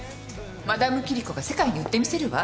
マダムキリコが世界に売ってみせるわ。